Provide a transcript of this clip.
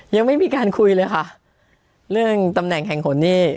ยังไม่มีการคุยเลยค่ะเรื่องตำแหน่งแข่งขนนี่